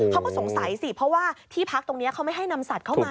เขาก็สงสัยสิเพราะว่าที่พักตรงนี้เขาไม่ให้นำสัตว์เข้ามา